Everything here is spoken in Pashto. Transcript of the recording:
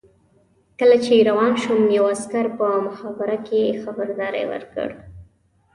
چې کله روان شوم یوه عسکر په مخابره کې خبرداری ورکړ.